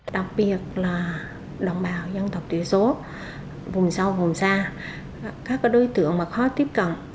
đặc biệt là đồng bào dân tộc tiểu số vùng sâu vùng xa các đối tượng khó tiếp cận